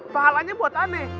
pahalanya buat aneh